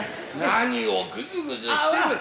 何をぐずぐずしてる。